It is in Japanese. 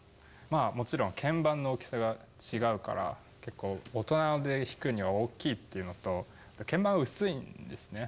まあもちろん鍵盤の大きさが違うから結構大人で弾くには大きいっていうのと鍵盤が薄いんですね。